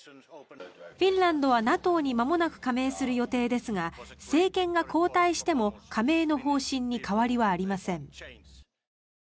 フィンランドはＮＡＴＯにまもなく加盟する予定ですが政権が交代しても加盟の方針に変わりはありません。